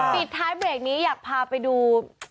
ปิดท้ายเบรกนี้อยากพาไปดู